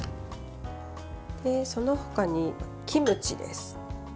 その他にキムチです。